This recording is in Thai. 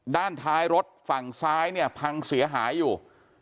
ด้านท้ายรถฝั่งซ้ายเนี่ยพังเสียหายอยู่